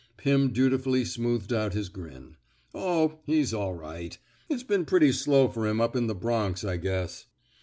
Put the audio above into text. Pim dutifully smoothed out his grin. Oh, he's all right. It's been pretty slow fer 'm up in the Bronx, I guess.